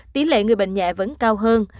tỷ lệ người bệnh nhẹ vẫn cao hơn